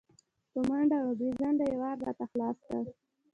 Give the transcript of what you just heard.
په منډه او بې ځنډه یې ور راته خلاص کړ.